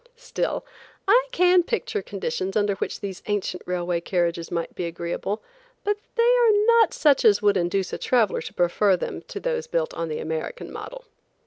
Still, I can picture conditions under which these ancient railway carriages might be agreeable, but they are not such as would induce a traveler to prefer them to those built on the American model.